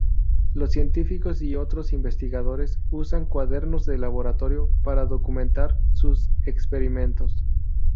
Los científicos y otros investigadores usan cuadernos de laboratorio para documentar sus experimentos.